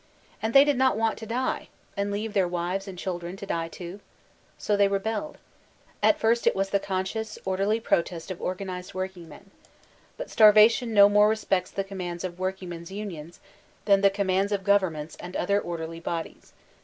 And they did not want to die, and leave their wives and children to die too. So they rebelled. At first it was the conscious, orderly pro test of organized workingmen. But Starvation no more respects the conunands of workingmen's unions, than the commands of governments, and other orderly bodies.